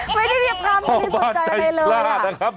ไม่ได้เรียบความสนใจอะไรเลย